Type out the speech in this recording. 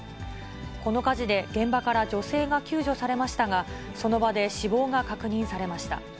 この火事で、現場から女性が救助されましたが、その場で死亡が確認されました。